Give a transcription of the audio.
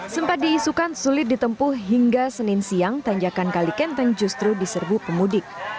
sempat diisukan sulit ditempuh hingga senin siang tanjakan kalikenteng justru diserbu pemudik